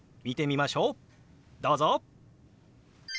どうぞ！